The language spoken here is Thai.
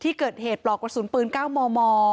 ที่เกิดเหตุปลอกกระสุนปืน๙มม